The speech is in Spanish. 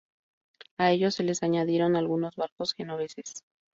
A ellos se les añadieron algunos barcos genoveses.